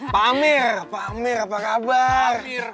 pak amir pak amir apa kabar